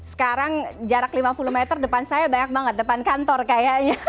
sekarang jarak lima puluh meter depan saya banyak banget depan kantor kayaknya